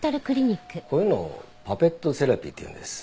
こういうのをパペットセラピーって言うんです。